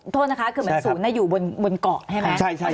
โทษนะคะคือเหมือนศูนย์อยู่บนเกาะใช่ไหม